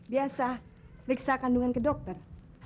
biasa periksa kandungan ke dokter